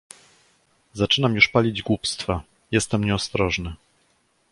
"Zaczynam już palić głupstwa, jestem nieostrożny..."